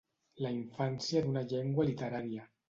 La infància d'una llengua literària.